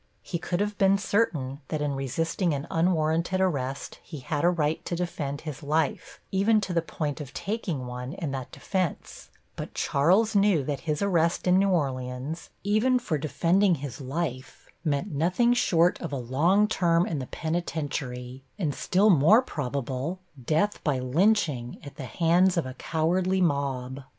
He could have been certain that in resisting an unwarranted arrest he had a right to defend his life, even to the point of taking one in that defense, but Charles knew that his arrest in New Orleans, even for defending his life, meant nothing short of a long term in the penitentiary, and still more probable death by lynching at the hands of a cowardly mob.